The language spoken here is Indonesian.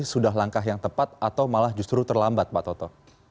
sudah langkah yang tepat atau malah justru terlambat pak toto